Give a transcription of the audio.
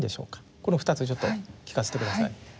この２つちょっと聞かせて下さい。